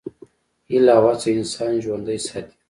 هیله او هڅه انسان ژوندی ساتي.